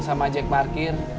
sama jack markir